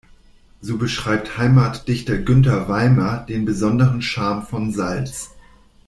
So beschreibt Heimatdichter Günther Weimer den besonderen Charme von Salz.